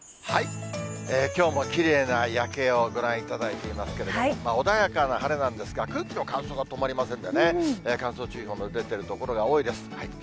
きょうもきれいな夜景をご覧いただいていますけれども、穏やかな晴れなんですが、空気の乾燥が止まりませんでね、乾燥注意報も出ている所が多いです。